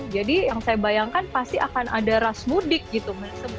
jadi yang saya bayangkan pasti akan ada ras mudik gitu